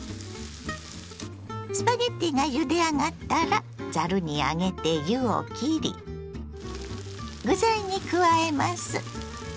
スパゲッティがゆであがったらざるに上げて湯をきり具材に加えます。